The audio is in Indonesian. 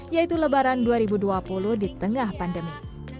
yaitu lebaran dua ribu dua puluh di tengah pandemi